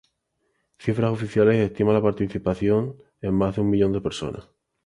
Cifras oficiales estiman la participación en más de un millón de personas.